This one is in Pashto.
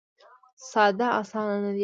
ساده اسانه نه دی.